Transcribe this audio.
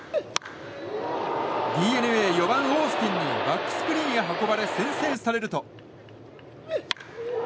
ＤｅＮＡ４番、オースティンにバックスクリーンへ運ばれ先制されると。